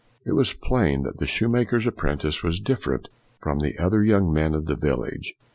It was plain that the shoemaker's apprentice was different from the other young men of the village.